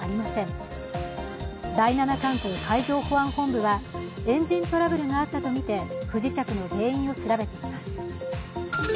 国土交通省第７管区海上保安本部はエンジントラブルがあったとみて不時着の原因を調べています。